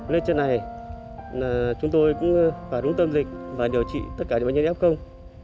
lên trên này chúng tôi cũng phải đúng tâm dịch và điều trị tất cả những bệnh nhân y học không